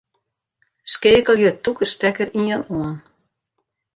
Skeakelje tûke stekker ien oan.